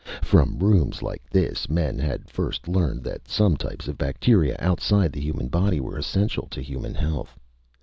From rooms like this men had first learned that some types of bacteria outside the human body were essential to human health.